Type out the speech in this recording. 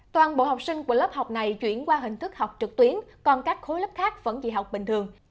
toàn bộ học sinh của lớp học này chuyển qua hình thức học trực tuyến còn các khối lớp khác vẫn dị học bình thường